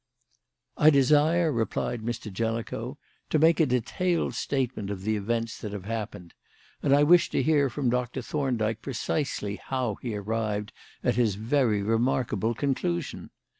"I desire," replied Mr. Jellicoe, "to make a detailed statement of the events that have happened, and I wish to hear from Doctor Thorndyke precisely how he arrived at his very remarkable conclusion.